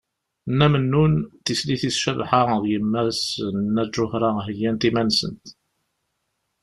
Nna Mennun, tislit-is Cabḥa d yemma-s Nna Ǧuhra heyyant iman-nsent.